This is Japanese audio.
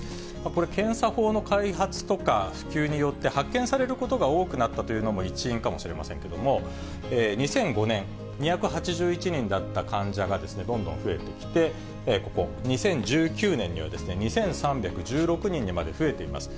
これ、検査法の開発とか、普及によって、発見されることが多くなったというのも一因かもしれませんけれども、２００５年、２８１人だった患者がどんどん増えてきて、ここ、２０１９年には２３１６人にまで増えています。